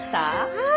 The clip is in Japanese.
はい。